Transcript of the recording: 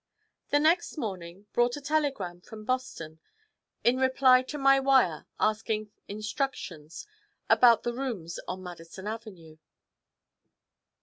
The next morning brought a telegram from Boston, in reply to my wire asking instructions about the rooms on Madison Avenue.